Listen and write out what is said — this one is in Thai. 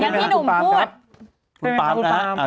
พี่หนุ่มพูด